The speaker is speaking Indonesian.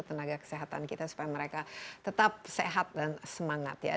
tenaga kesehatan kita supaya mereka tetap sehat dan semangat ya